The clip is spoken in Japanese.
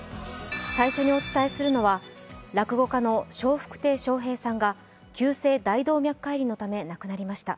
最初にお伝えするのは、落語家の笑福亭笑瓶さんが急性大動脈解離のため亡くなりました。